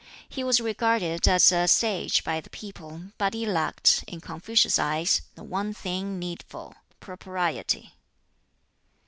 He was regarded as a sage by the people, but he lacked, in Confucius's eyes, the one thing needful propriety.